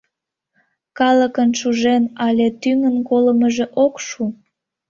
Калыкын шужен але тӱҥын колымыжо ок шу...